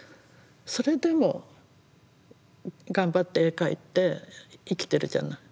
それでも頑張って絵描いて生きてるじゃない。